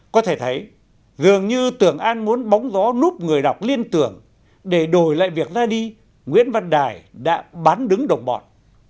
có thể thấy dường như tưởng an muốn bóng gió núp người đọc liên tưởng để đổi lại việc ra đi nguyễn văn đài đã bán đứng đồng bọn